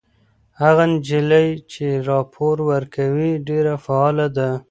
هغه نجلۍ چې راپور ورکوي ډېره فعاله ده.